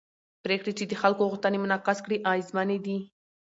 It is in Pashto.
پرېکړې چې د خلکو غوښتنې منعکس کړي اغېزمنې دي